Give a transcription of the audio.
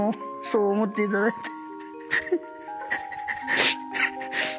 そう思っていただいて。